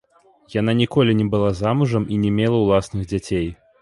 Яна ніколі не была замужам і не мела ўласных дзяцей.